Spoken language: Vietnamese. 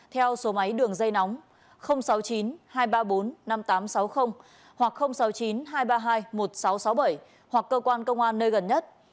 theo số máy đường dây nóng sáu mươi chín hai trăm ba mươi bốn năm nghìn tám trăm sáu mươi hoặc sáu mươi chín hai trăm ba mươi hai một nghìn sáu trăm sáu mươi bảy hoặc cơ quan công an nơi gần nhất